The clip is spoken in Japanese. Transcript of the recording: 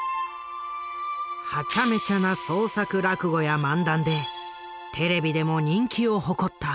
ハチャメチャな創作落語や漫談でテレビでも人気を誇った。